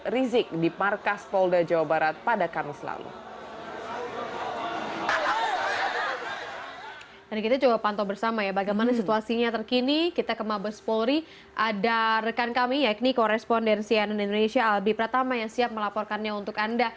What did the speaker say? rizik di markas polda jawa barat pada kamis lalu